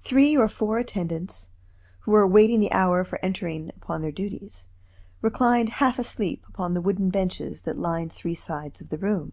Three or four attendants, who were awaiting the hour for entering upon their duties, reclined half asleep upon the wooden benches that lined three sides of the room.